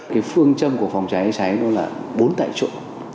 cái phương châm của phòng cháy cháy nó là bốn tại chỗ